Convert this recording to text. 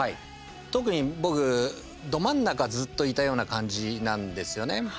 特に僕、ど真ん中ずっといたような感じなんですよね。